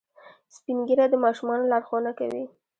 سپین ږیری د ماشومانو لارښوونه کوي